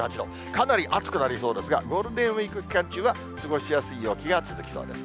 かなり暑くなりそうですが、ゴールデンウィーク期間中は過ごしやすい陽気が続きそうです。